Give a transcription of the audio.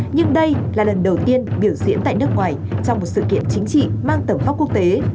nhưng đây là lần đầu tiên biểu diễn tại nước ngoài trong một sự kiện chính trị mang tầm pháp quốc tế